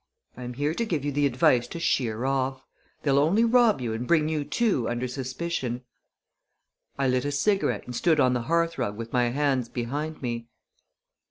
I am here to give you the advice to sheer off! They'll only rob you and bring you, too, under suspicion." I lit a cigarette and stood on the hearthrug with my hands behind me.